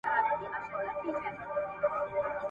کبر او غرور د انسان دښمنان دي.